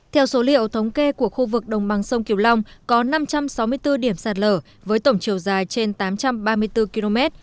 theo số liệu thống kê của khu vực đồng bằng sông kiều long có năm trăm sáu mươi bốn điểm sạt lở với tổng chiều dài trên tám trăm ba mươi bốn km